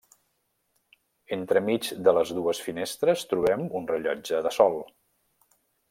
Entremig de les dues finestres trobem un rellotge de sol.